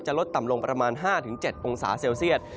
ลดต่ำลงประมาณ๕๗องศาเซลเซียต